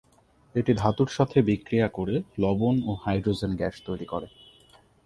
এটি ধাতুর সাথে বিক্রিয়া করে লবণ ও হাইড্রোজেন গ্যাস তৈরি করে।